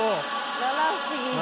七不思議１。